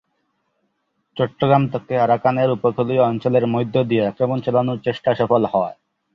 চট্টগ্রাম থেকে আরাকানের উপকূলীয় অঞ্চলের মধ্য দিয়ে আক্রমণ চালানোর চেষ্টা সফল হয়।